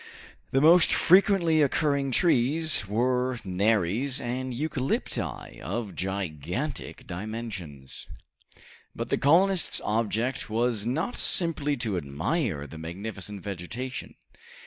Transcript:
The most frequently occurring trees were knaries and eucalypti of gigantic dimensions. But the colonists' object was not simply to admire the magnificent vegetation.